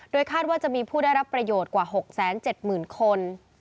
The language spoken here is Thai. คาดว่าจะมีผู้ได้รับประโยชน์กว่า๖๗๐๐๐คน